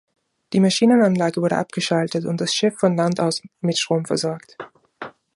Die Maschinenanlage wurde abgeschaltet und das Schiff von Land aus mit Strom versorgt.